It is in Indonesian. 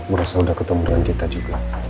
bu rosa udah ketemu dengan kita juga